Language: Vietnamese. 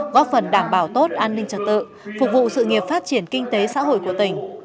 góp phần đảm bảo tốt an ninh trật tự phục vụ sự nghiệp phát triển kinh tế xã hội của tỉnh